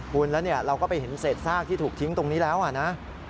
คุณแล้วเราก็ไปเห็นเศษซากที่ถูกทิ้งตรงนี้แล้วนะ